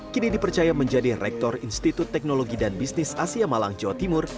kini dipercaya menjadi rektor institut teknologi dan bisnis asia malang jawa timur